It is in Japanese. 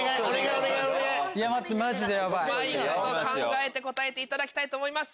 うまいこと考えて答えていただきたいと思います。